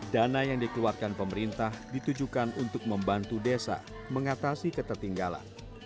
dana yang dikeluarkan pemerintah ditujukan untuk membantu desa mengatasi ketertinggalan